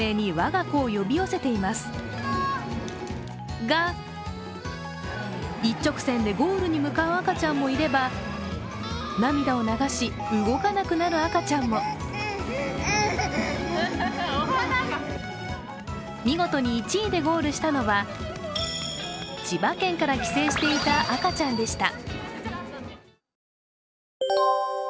が、一直線でゴールに向かう赤ちゃんもいれば涙を流し、動かなくなる赤ちゃんも見事に１位でゴールしたのは、千葉県から帰省していた赤ちゃんでした。